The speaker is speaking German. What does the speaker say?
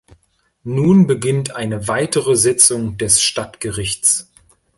Nun beginnt eine weitere Sitzung des Stadtgerichts.